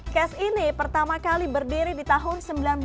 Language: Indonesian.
kes ini pertama kali berdiri di tahun seribu sembilan ratus sembilan puluh